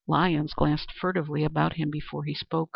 Lyons glanced furtively about him before he spoke.